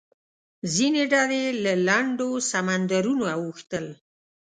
ځینې ډلې له لنډو سمندرونو اوښتل.